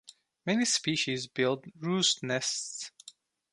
Many species build roost nests.